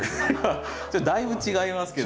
だいぶ違いますけど。